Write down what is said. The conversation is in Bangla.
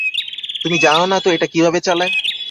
তুমি জানো তো এটা কিভাবে চালায়?